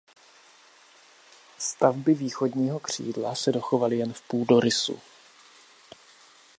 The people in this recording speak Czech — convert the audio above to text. Stavby východního křídla se dochovaly jen v půdorysu.